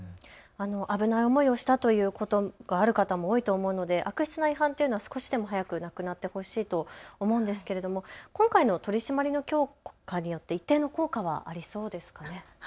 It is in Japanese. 危ない思いをしたということがある方も多いと思うので悪質な違反というのは少しでも早くなくなってほしいと思うんですけれど今回の取締りの強化によって一定の効果はありそうですか。